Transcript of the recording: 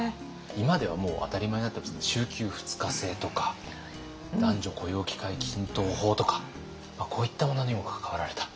今ではもう当たり前になってますが週休二日制とか男女雇用機会均等法とかこういったものにも関わられた。